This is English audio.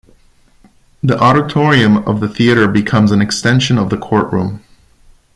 The auditorium of the theatre becomes an extension of the courtroom.